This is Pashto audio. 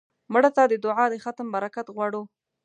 مړه ته د دعا د ختم برکت غواړو